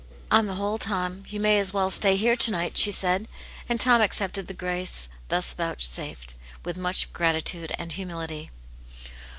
" On the whole, Tom, you may as well stay here to night," she said ; and Tom accepted the grace thus vouchsafed, with much gratitude and humility.